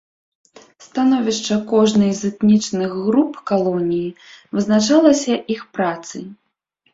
Становішча кожнай з этнічных груп калоніі вызначалася іх працай.